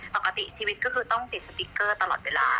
ปกติชีวิตก็คือต้องติดสติ๊กเกอร์ตลอดเวลา